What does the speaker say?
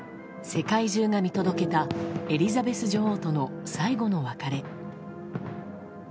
世界中が見届けたエリザベス女王との最後の別れ。